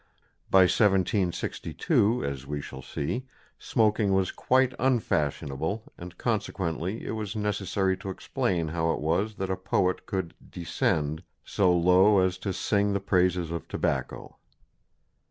By 1762, as we shall see, smoking was quite unfashionable, and consequently it was necessary to explain how it was that a poet could "descend" so low as to sing the praises of tobacco.